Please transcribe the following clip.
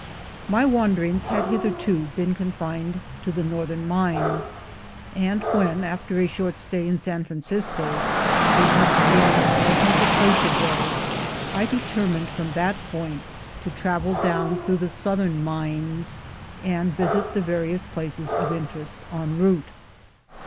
My wanderings had hitherto been confined to the northern mines, and when, after a short stay in San Francisco, business again led me to Placerville, I determined from that point to travel down through the southern mines, and visit the various places of interest en route.